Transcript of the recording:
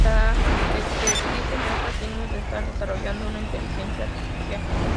La "Enterprise" muestra signos de estar desarrollando una inteligencia artificial.